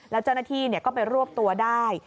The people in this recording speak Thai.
แล้วเจ้าหน้าที่ก็ไปรวบตัวได้